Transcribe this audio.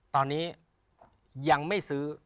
ตอนนี้ยังไม่ซื้อ